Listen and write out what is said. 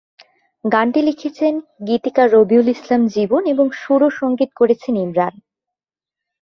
গানটি লিখেছেন গীতিকার রবিউল ইসলাম জীবন এবং সুর ও সঙ্গীত করেছেন ইমরান।